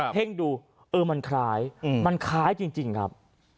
เพ่งดูเออมันคล้ายมันคล้ายจริงครับ